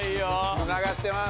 つながってます。